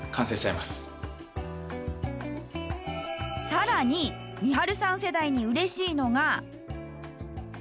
さらにみはるさん世代に嬉しいのが。